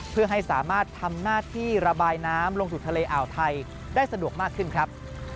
เพื่อให้สามารถทำหน้าที่ระบายน้ำลงสู่ทะเลอ่าวไทยได้สะดวกมากขึ้นครับ